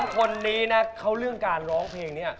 ๓คนนี้เนี่ยเค้าเรื่องการร้องเพลงเนี่ย